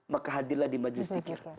maka hadirlah di majlis zikir